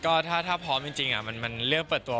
ก็ถ้าพร้อมจริงมันเลือกเปิดตัว